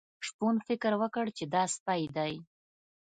شپون فکر وکړ چې دا سپی دی.